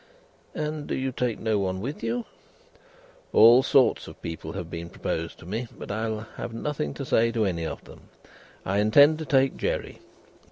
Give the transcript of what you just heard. "And do you take no one with you?" "All sorts of people have been proposed to me, but I will have nothing to say to any of them. I intend to take Jerry.